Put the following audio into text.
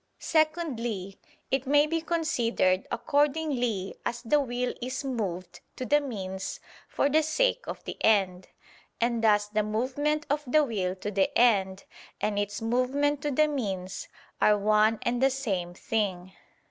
Secondly, it may be considered accordingly as the will is moved to the means for the sake of the end: and thus the movement of the will to the end and its movement to the means are one and the same thing.